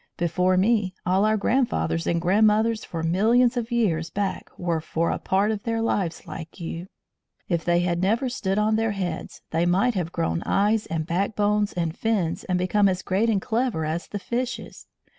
Before me, all our grandfathers and grandmothers for millions of years back were for a part of their lives like you. If they had never stood on their heads they might have grown eyes and backbones and fins, and become as great and clever as the fishes.